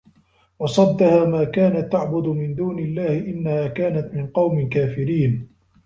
وَصَدَّها ما كانَت تَعبُدُ مِن دونِ اللَّهِ إِنَّها كانَت مِن قَومٍ كافِرينَ